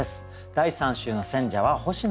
第３週の選者は星野高士さんです。